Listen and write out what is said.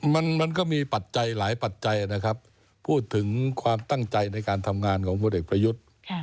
มันมันก็มีปัจจัยหลายปัจจัยนะครับพูดถึงความตั้งใจในการทำงานของพลเอกประยุทธ์